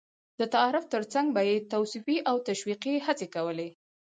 د تعارف تر څنګ به یې توصيفي او تشويقي هڅې کولې.